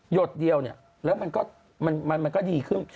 ดเดียวเนี่ยแล้วมันก็ดีขึ้น